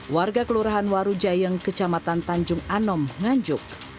warga kelurahan waru jayeng kecamatan tanjung anom nganjuk